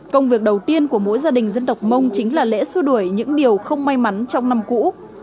công việc đầu tiên của mỗi gia đình dân tộc mông chính là lễ xua đuổi những điều không may mắn trong năm cũ